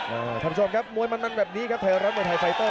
ค่ะท่านผู้ชมครับมวยมันมันแบบนี้ครับทศมวยไทฟต้น